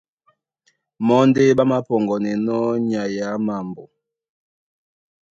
Mɔ́ ndé ɓá māpɔŋgɔnɛnɔ́ nyay á mambo.